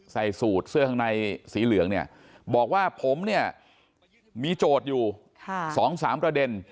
ใส่สูตรเสื้อข้างในสีเหลืองเนี่ยบอกว่าผมเนี่ยมีโจทย์อยู่๒๓ประเด็น